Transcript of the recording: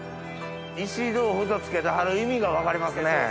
「石豆富」と付けてはる意味が分かりますね。